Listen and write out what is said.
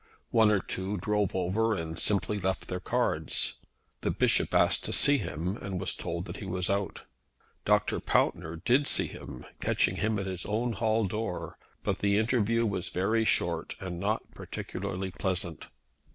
One or two drove over and simply left their cards. The bishop asked to see him, and was told that he was out. Dr. Pountner did see him, catching him at his own hall door, but the interview was very short, and not particularly pleasant.